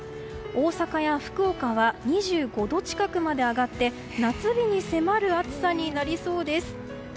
大阪や福岡は２５度近くまで上がって夏日に迫る暑さになりそうです。